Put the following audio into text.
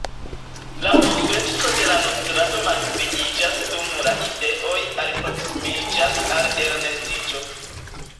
La ofteco de la nutrado malpliiĝas dum la idoj alproksimiĝas al elnestiĝo.